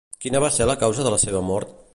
Quina va ser la causa de la seva mort?